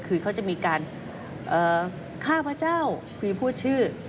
คือเขาจะมีการฆ่าพระเจ้าคุยพูดชื่อ